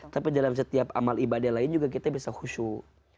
tapi dalam setiap amal ibadah lain juga kita bisa khusyuk